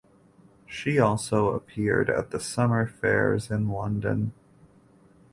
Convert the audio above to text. She also appeared at the summer fairs in London.